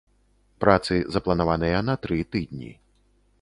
Працы запланаваныя на тры тыдні.